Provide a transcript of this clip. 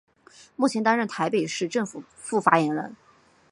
目前担任台北市政府副发言人。